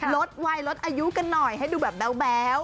ลดวัยลดอายุกันหน่อยให้ดูแบบแบ๊ว